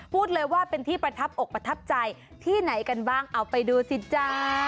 พูดเลยว่าเป็นที่ประทับอกประทับใจที่ไหนกันบ้างเอาไปดูสิจ๊ะ